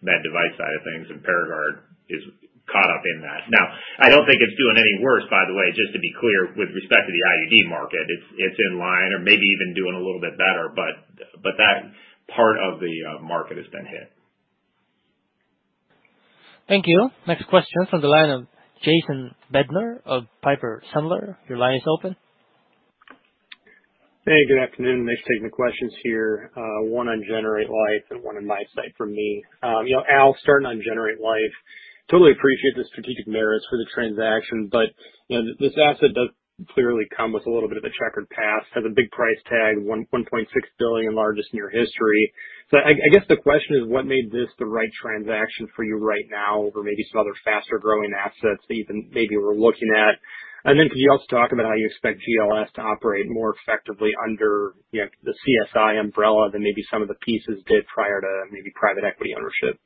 med device side of things, and Paragard is caught up in that. Now, I don't think it's doing any worse, by the way, just to be clear, with respect to the IUD market. It's in line or maybe even doing a little bit better, but that part of the market has been hit. Thank you. Next question from the line of Jason Bednar of Piper Sandler. Your line is open. Hey, good afternoon. Nice to take the questions here, one on Generate Life and one on MiSight for me. You know, Al, starting on Generate Life, totally appreciate the strategic merits for the transaction, but, you know, this asset does clearly come with a little bit of a checkered past. Has a big price tag, $1.6 billion, largest in your history. I guess the question is, what made this the right transaction for you right now over maybe some other faster growing assets that you've been looking at? Could you also talk about how you expect GLS to operate more effectively under, you know, the CSI umbrella than maybe some of the pieces did prior to maybe private equity ownership?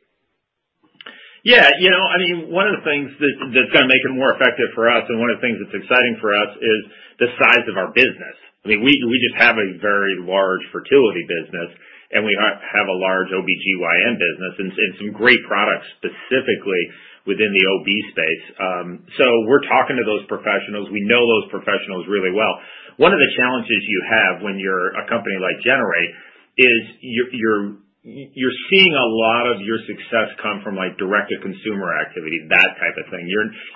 Yeah. You know, I mean, one of the things that's gonna make it more effective for us, and one of the things that's exciting for us is the size of our business. I mean, we just have a very large fertility business and we have a large OBGYN business and some great products specifically within the OB space. So we're talking to those professionals. We know those professionals really well. One of the challenges you have when you're a company like Generate is you're seeing a lot of your success come from, like, direct to consumer activity, that type of thing.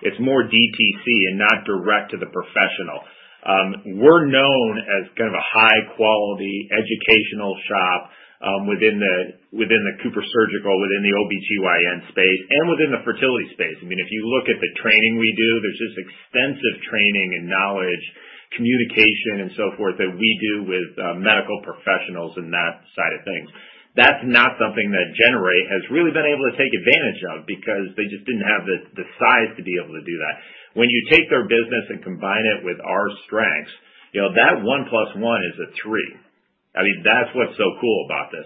It's more DTC and not direct to the professional. We're known as kind of a high quality educational shop within the CooperSurgical, within the OBGYN space and within the fertility space. I mean, if you look at the training we do, there's just extensive training and knowledge, communication and so forth that we do with medical professionals in that side of things. That's not something that Generate has really been able to take advantage of because they just didn't have the size to be able to do that. When you take their business and combine it with our strengths, you know, that one plus one is a three. I mean, that's what's so cool about this.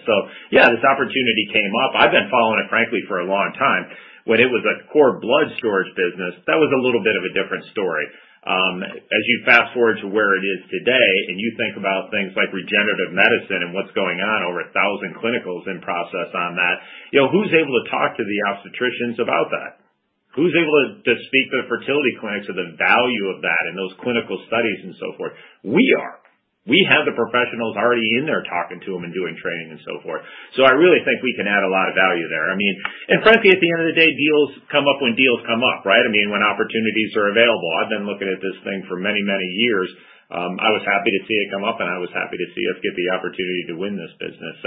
Yeah, this opportunity came up. I've been following it, frankly, for a long time. When it was a core blood storage business, that was a little bit of a different story. As you fast-forward to where it is today and you think about things like regenerative medicine and what's going on, over 1,000 clinicals in process on that, you know, who's able to talk to the obstetricians about that? Who's able to speak to the fertility clinics of the value of that and those clinical studies and so forth? We are. We have the professionals already in there talking to them and doing training and so forth. I really think we can add a lot of value there. I mean, and frankly at the end of the day, deals come up when deals come up, right? I mean, when opportunities are available. I've been looking at this thing for many, many years. I was happy to see it come up and I was happy to see us get the opportunity to win this business.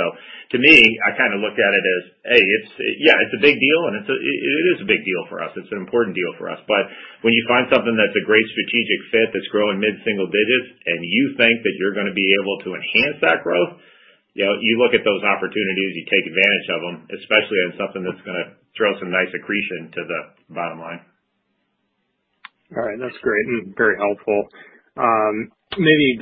To me, I kind of look at it as A, it's a big deal for us. It's an important deal for us. When you find something that's a great strategic fit, that's growing mid-single digits and you think that you're gonna be able to enhance that growth, you know, you look at those opportunities, you take advantage of them, especially on something that's gonna throw some nice accretion to the bottom line. All right. That's great and very helpful. Maybe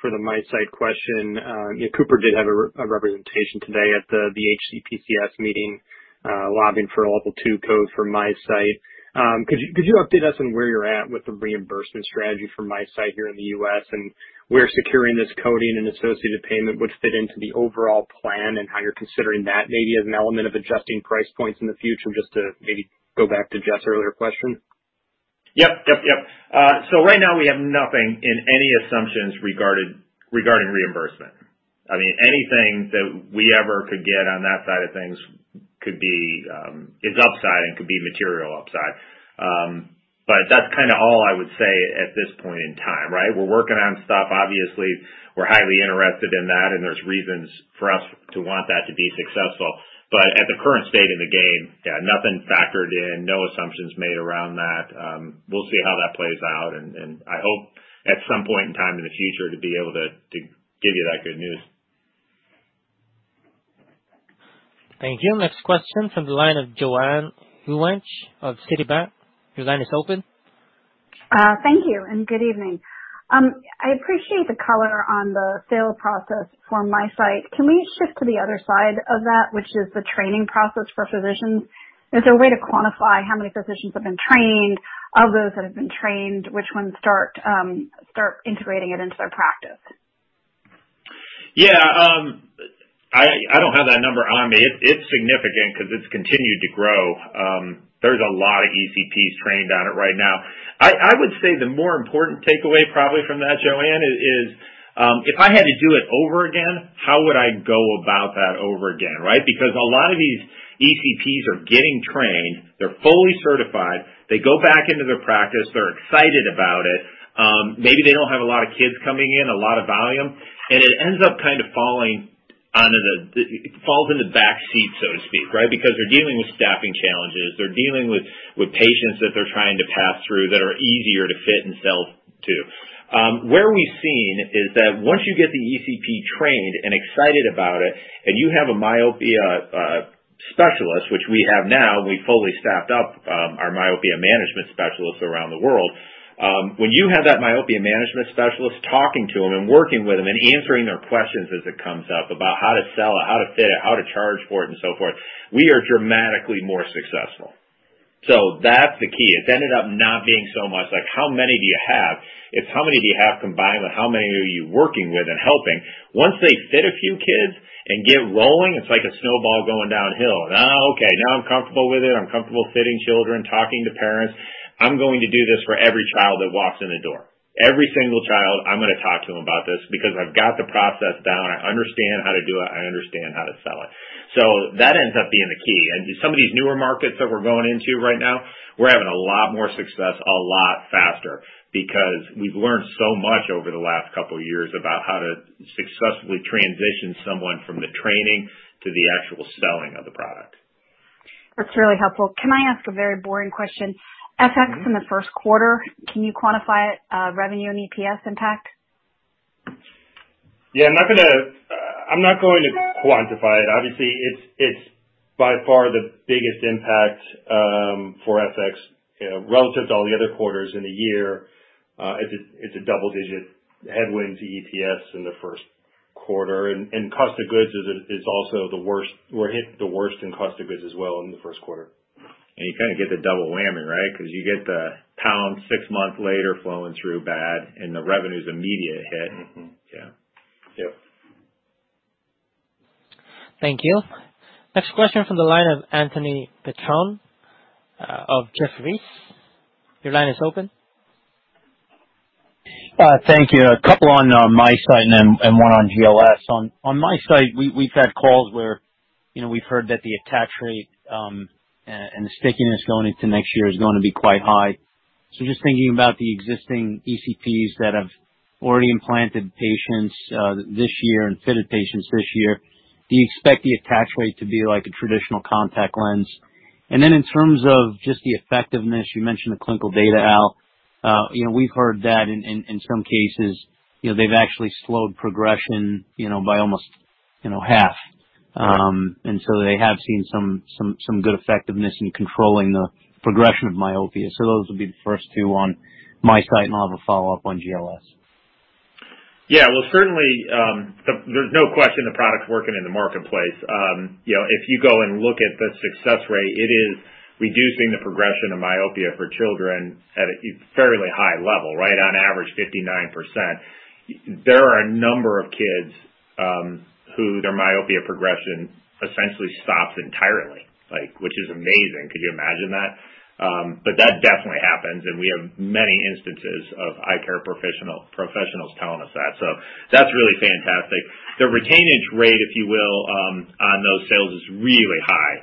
for the MiSight question, you know, Cooper did have a representation today at the HCPCS meeting, lobbying for a level two code for MiSight. Could you update us on where you're at with the reimbursement strategy for MiSight here in the U.S. and where securing this coding and associated payment would fit into the overall plan and how you're considering that maybe as an element of adjusting price points in the future, just to maybe go back to Jeff's earlier question? Yep. Right now we have nothing in any assumptions regarding reimbursement. I mean, anything that we ever could get on that side of things could be. It's upside and could be material upside. That's kinda all I would say at this point in time, right? We're working on stuff. Obviously, we're highly interested in that, and there's reasons for us to want that to be successful. At the current state of the game, yeah, nothing factored in, no assumptions made around that. We'll see how that plays out. I hope at some point in time in the future to be able to give you that good news. Thank you. Next question from the line of Joanne Wuensch of Citigroup. Your line is open. Thank you and good evening. I appreciate the color on the sales process for MiSight. Can we shift to the other side of that, which is the training process for physicians? Is there a way to quantify how many physicians have been trained? Of those that have been trained, which ones start integrating it into their practice? I don't have that number on me. It's significant because it's continued to grow. There's a lot of ECPs trained on it right now. I would say the more important takeaway probably from that, Joanne, is if I had to do it over again, how would I go about that over again, right? Because a lot of these ECPs are getting trained. They're fully certified. They go back into their practice, they're excited about it. Maybe they don't have a lot of kids coming in, a lot of volume, and it ends up kind of takes a back seat, so to speak, right? Because they're dealing with staffing challenges. They're dealing with patients that they're trying to pass through that are easier to fit and sell to. What we've seen is that once you get the ECP trained and excited about it, and you have a myopia specialist, which we have now, we've fully staffed up our myopia management specialists around the world. When you have that myopia management specialist talking to them and working with them and answering their questions as it comes up about how to sell it, how to fit it, how to charge for it, and so forth, we are dramatically more successful. That's the key. It's ended up not being so much like how many do you have? It's how many do you have combined with how many are you working with and helping. Once they fit a few kids and get rolling, it's like a snowball going downhill. Now, okay, now I'm comfortable with it. I'm comfortable fitting children, talking to parents. I'm going to do this for every child that walks in the door. Every single child, I'm gonna talk to them about this because I've got the process down. I understand how to do it. I understand how to sell it. So that ends up being the key. Some of these newer markets that we're going into right now, we're having a lot more success a lot faster because we've learned so much over the last couple of years about how to successfully transition someone from the training to the actual selling of the product. That's really helpful. Can I ask a very boring question? Mm-hmm. FX in the first quarter, can you quantify it, revenue and EPS impact? I'm not going to quantify it. Obviously, it's by far the biggest impact for FX, you know, relative to all the other quarters in a year. It's a double-digit headwind to EPS in the first quarter. Cost of goods is also the worst. We're hit the worst in cost of goods as well in the first quarter. You kind of get the double whammy, right? Because you get the pound six months later flowing through bad and the revenue's immediate hit. Mm-hmm. Yeah. Yep. Thank you. Next question from the line of Anthony Petrone of Jefferies. Your line is open. Thank you. A couple on MiSight and one on GLS. On MiSight, we've had calls where, you know, we've heard that the attach rate and the stickiness going into next year is going to be quite high. So just thinking about the existing ECPs that have already implanted patients this year and fitted patients this year. Do you expect the attach rate to be like a traditional contact lens? And then in terms of just the effectiveness, you mentioned the clinical data, Al. You know, we've heard that in some cases, you know, they've actually slowed progression, you know, by almost, you know, half. And so they have seen some good effectiveness in controlling the progression of myopia. So those will be the first two on my side, and I'll have a follow-up on GLS. Yeah. Well, certainly, there's no question the product's working in the marketplace. You know, if you go and look at the success rate, it is reducing the progression of myopia for children at a fairly high level, right on average, 59%. There are a number of kids who their myopia progression essentially stops entirely. Like, which is amazing. Could you imagine that? But that definitely happens, and we have many instances of eye care professionals telling us that, so that's really fantastic. The retainage rate, if you will, on those sales, is really high.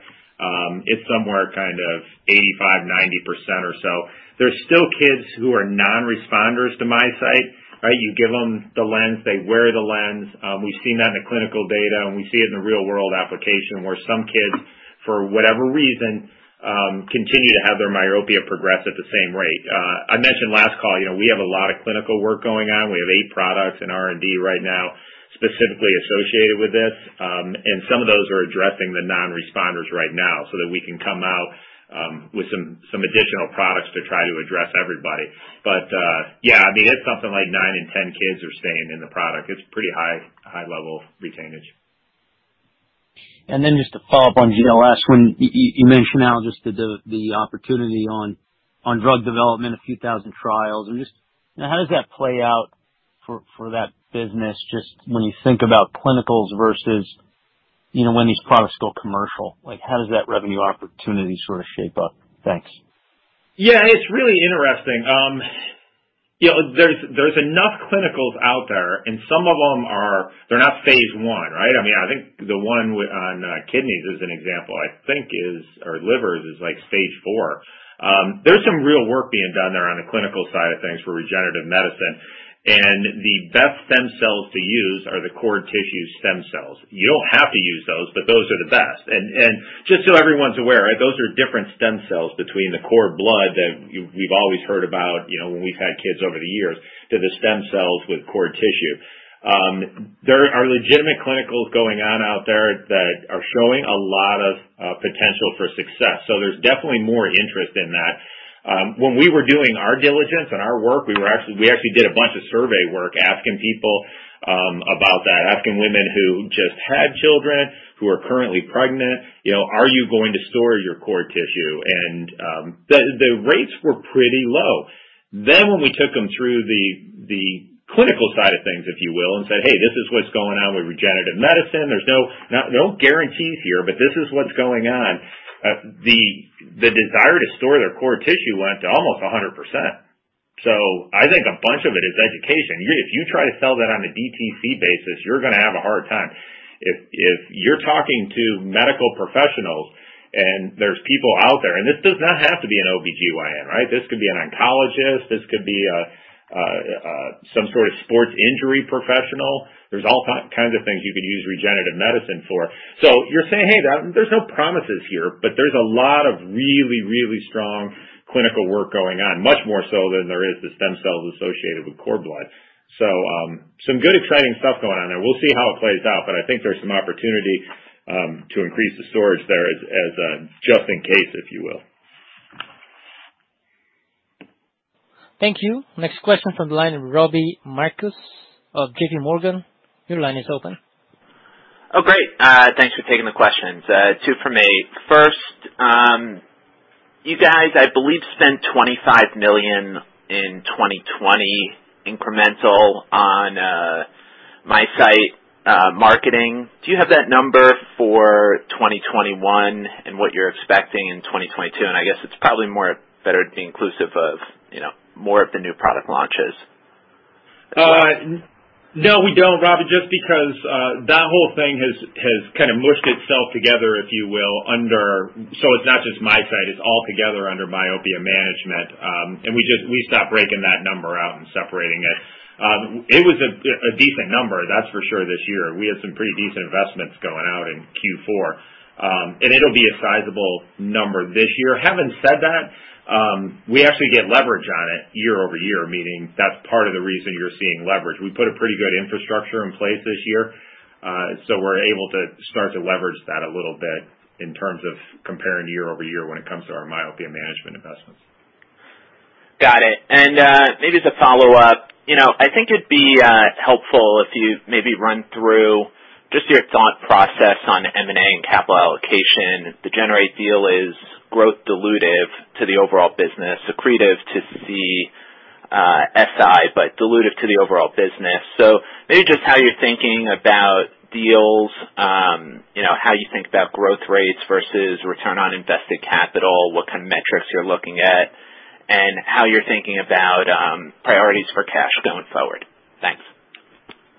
It's somewhere kind of 85%-90% or so. There's still kids who are non-responders to MiSight, right? You give them the lens, they wear the lens. We've seen that in the clinical data, and we see it in the real-world application, where some kids, for whatever reason, continue to have their myopia progress at the same rate. I mentioned last call, you know, we have a lot of clinical work going on. We have 8 products in R&D right now. Specifically associated with this, and some of those are addressing the non-responders right now so that we can come out with some additional products to try to address everybody. Yeah, I mean, it's something like 9 in 10 kids are staying in the product. It's pretty high level retainage. Then just to follow up on, you know, last one. You mentioned, Al, just the opportunity on drug development, a few thousand trials. Just now, how does that play out for that business just when you think about clinicals versus, you know, when these products go commercial? Like, how does that revenue opportunity sort of shape up? Thanks. Yeah, it's really interesting. You know, there's enough clinicals out there, and some of them are. They're not phase I, right? I mean, I think the one on kidneys as an example, or livers, is like phase IV. There's some real work being done there on the clinical side of things for regenerative medicine. The best stem cells to use are the cord tissue stem cells. You don't have to use those, but those are the best. Just so everyone's aware, those are different stem cells between the cord blood that we've always heard about, you know, when we've had kids over the years, to the stem cells with cord tissue. There are legitimate clinicals going on out there that are showing a lot of potential for success. There's definitely more interest in that. When we were doing our diligence and our work, we actually did a bunch of survey work asking people about that, asking women who just had children, who are currently pregnant, you know, "Are you going to store your cord tissue?" The rates were pretty low. When we took them through the clinical side of things, if you will, and said, "Hey, this is what's going on with regenerative medicine. There's no guarantees here, but this is what's going on." The desire to store their cord tissue went to almost 100%. I think a bunch of it is education. If you try to sell that on a DTC basis, you're gonna have a hard time. If you're talking to medical professionals and there's people out there, and this does not have to be an OB-GYN, right? This could be an oncologist. This could be some sort of sports injury professional. There's all kinds of things you could use regenerative medicine for. You're saying, "Hey, there's no promises here, but there's a lot of really, really strong clinical work going on, much more so than there is the stem cells associated with cord blood." Some good, exciting stuff going on there. We'll see how it plays out, but I think there's some opportunity to increase the storage there as a just in case, if you will. Thank you. Next question from the line, Robbie Marcus of J.P. Morgan. Your line is open. Oh, great. Thanks for taking the questions. Two from me. First, you guys, I believe, spent $25 million in 2020 incremental on MiSight marketing. Do you have that number for 2021 and what you're expecting in 2022? I guess it's probably more better inclusive of more of the new product launches. No, we don't, Robbie, just because that whole thing has kind of mushed itself together, if you will, under Myopia Management. It's not just MiSight, it's all together under Myopia Management. We just stopped breaking that number out and separating it. It was a decent number, that's for sure, this year. We had some pretty decent investments going out in Q4. It'll be a sizable number this year. Having said that, we actually get leverage on it year-over-year, meaning that's part of the reason you're seeing leverage. We put a pretty good infrastructure in place this year, so we're able to start to leverage that a little bit in terms of comparing year-over-year when it comes to our myopia management investments. Got it. Maybe to follow up, you know, I think it'd be helpful if you maybe run through just your thought process on M&A and capital allocation. The Generate deal is growth dilutive to the overall business, accretive to the CSI, but dilutive to the overall business. Maybe just how you're thinking about deals, you know, how you think about growth rates versus return on invested capital, what kind of metrics you're looking at, and how you're thinking about priorities for cash going forward. Thanks.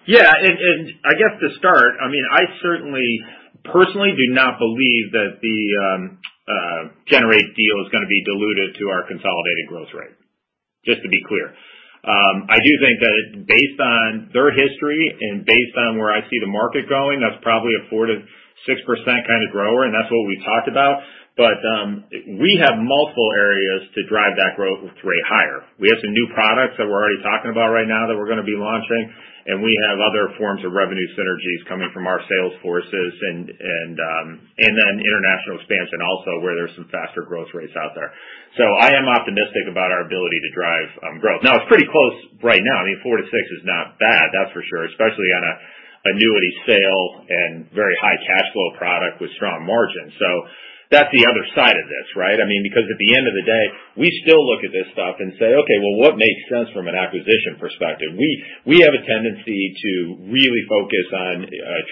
Yeah. I guess to start, I mean, I certainly personally do not believe that the Generate deal is gonna be dilutive to our consolidated growth rate, just to be clear. I do think that based on their history and based on where I see the market going, that's probably a 4%-6% kinda grower, and that's what we talked about. We have multiple areas to drive that growth rate higher. We have some new products that we're already talking about right now that we're gonna be launching, and we have other forms of revenue synergies coming from our sales forces and then international expansion also, where there's some faster growth rates out there. I am optimistic about our ability to drive growth. Now, it's pretty close right now. I mean, 4-6 is not bad, that's for sure, especially on a annuity sale and very high cash flow product with strong margin. That's the other side of this, right? I mean, because at the end of the day, we still look at this stuff and say, "Okay, well, what makes sense from an acquisition perspective?" We have a tendency to really focus on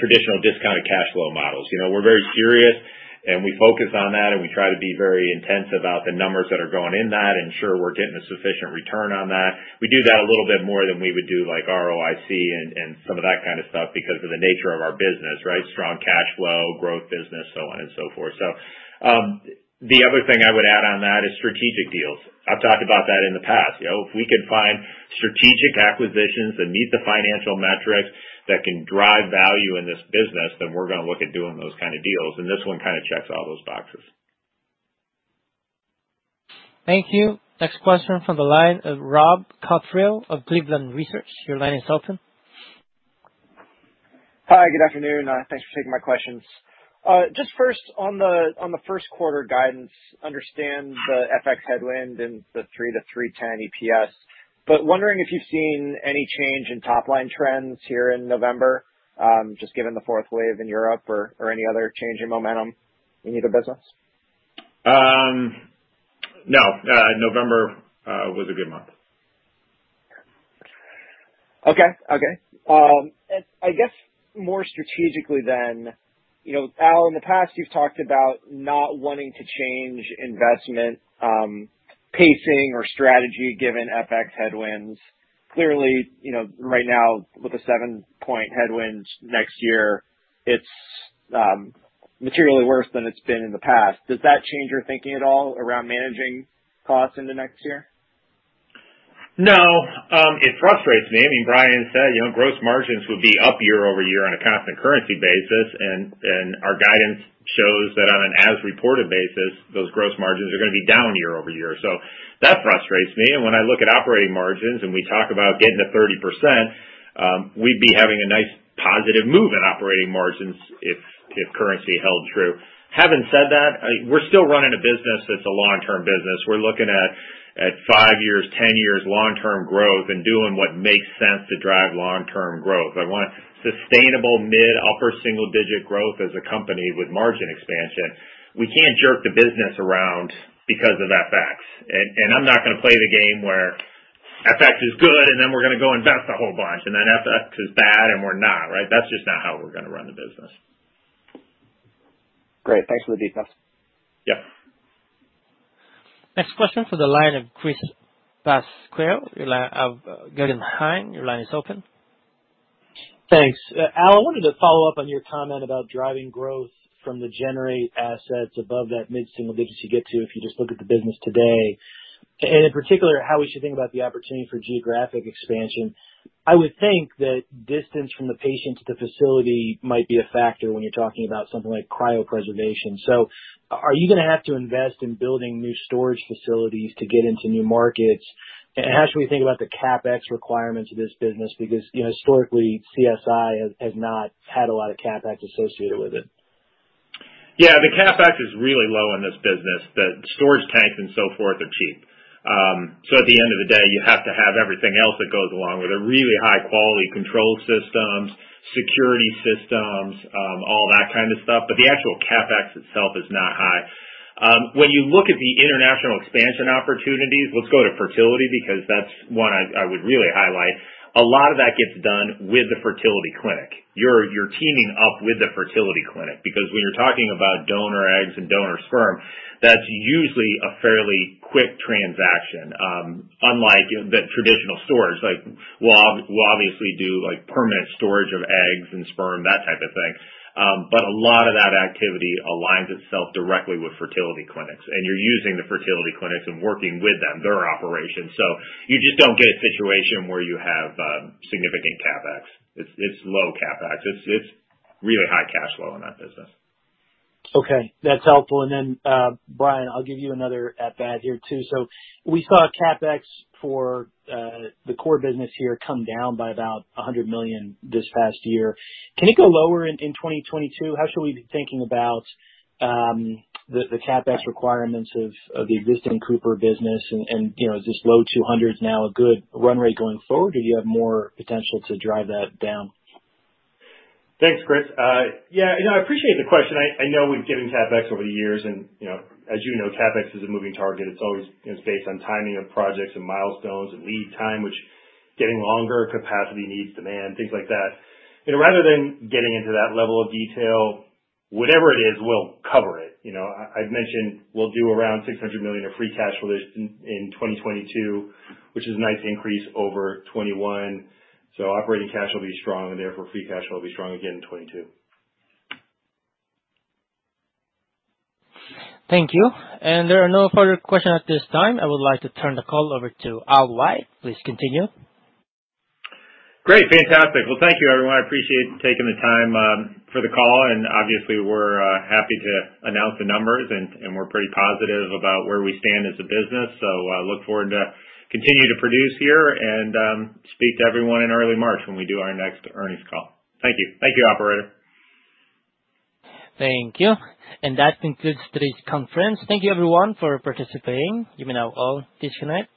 traditional discounted cash flow models. You know, we're very serious and we focus on that, and we try to be very intense about the numbers that are going in that ensure we're getting a sufficient return on that. We do that a little bit more than we would do, like ROIC and some of that kind of stuff because of the nature of our business, right? Strong cash flow, growth business, so on and so forth. The other thing I would add on that is strategic deals. I've talked about that in the past. You know, if we can find strategic acquisitions that meet the financial metrics that can drive value in this business, then we're gonna look at doing those kind of deals, and this one kind of checks all those boxes. Thank you. Next question from the line of Rob Cottrell of Cleveland Research. Your line is open. Hi, good afternoon. Thanks for taking my questions. Just first on the first quarter guidance, I understand the FX headwind and the $3-$3.10 EPS. Wondering if you've seen any change in top line trends here in November, just given the fourth wave in Europe or any other change in momentum in either business? No. November was a good month. Okay. I guess more strategically then, you know, Al, in the past you've talked about not wanting to change investment pacing or strategy given FX headwinds. Clearly, you know, right now with a 7-point headwind next year, it's materially worse than it's been in the past. Does that change your thinking at all around managing costs into next year? No. It frustrates me. I mean, Brian said, you know, gross margins would be up year-over-year on a constant currency basis. Our guidance shows that on an as reported basis, those gross margins are gonna be down year-over-year. That frustrates me. When I look at operating margins and we talk about getting to 30%, we'd be having a nice positive move in operating margins if currency held true. Having said that, we're still running a business that's a long-term business. We're looking at 5 years, 10 years long-term growth and doing what makes sense to drive long-term growth. I want sustainable mid upper single digit growth as a company with margin expansion. We can't jerk the business around because of FX. I'm not gonna play the game where FX is good, and then we're gonna go invest a whole bunch, and then FX is bad, and we're not, right? That's just not how we're gonna run the business. Great. Thanks for the details. Yeah. Next question from the line of Chris Pasquale of Guggenheim. Your line is open. Thanks. Al, I wanted to follow up on your comment about driving growth from the Generate assets above that mid-single digits you get to if you just look at the business today, and in particular, how we should think about the opportunity for geographic expansion. I would think that distance from the patient to the facility might be a factor when you're talking about something like cryopreservation. Are you gonna have to invest in building new storage facilities to get into new markets? And how should we think about the CapEx requirements of this business? Because, you know, historically, CSI has not had a lot of CapEx associated with it. Yeah, the CapEx is really low in this business. The storage tanks and so forth are cheap. At the end of the day, you have to have everything else that goes along with it, really high quality control systems, security systems, all that kind of stuff, but the actual CapEx itself is not high. When you look at the international expansion opportunities, let's go to fertility because that's one I would really highlight. A lot of that gets done with the fertility clinic. You're teaming up with the fertility clinic because when you're talking about donor eggs and donor sperm, that's usually a fairly quick transaction, unlike, you know, the traditional storage. Like we obviously do like permanent storage of eggs and sperm, that type of thing. A lot of that activity aligns itself directly with fertility clinics. You're using the fertility clinics and working with them, their operations. You just don't get a situation where you have significant CapEx. It's low CapEx. It's really high cash flow in that business. Okay, that's helpful. Then, Brian, I'll give you another at bat here too. We saw CapEx for the core business here come down by about $100 million this past year. Can it go lower in 2022? How should we be thinking about the CapEx requirements of the existing Cooper business? You know, is this low $200s now a good run rate going forward, or do you have more potential to drive that down? Thanks, Chris. Yeah, you know, I appreciate the question. I know we've given CapEx over the years and, you know, as you know, CapEx is a moving target. It's always, you know, it's based on timing of projects and milestones and lead time, which getting longer, capacity needs, demand, things like that. You know, rather than getting into that level of detail, whatever it is, we'll cover it. You know, I've mentioned we'll do around $600 million of free cash flow this year in 2022, which is a nice increase over 2021. Operating cash will be strong and therefore free cash flow will be strong again in 2022. Thank you. There are no further questions at this time. I would like to turn the call over to Al White. Please continue. Great. Fantastic. Well, thank you everyone. I appreciate taking the time for the call and obviously we're happy to announce the numbers and we're pretty positive about where we stand as a business. I look forward to continue to produce here and speak to everyone in early March when we do our next earnings call. Thank you. Thank you, operator. Thank you. That concludes today's conference. Thank you everyone for participating. You may now all disconnect.